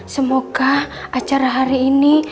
semoga acara hari ini